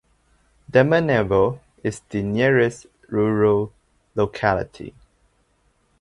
Demenevo is the nearest rural locality.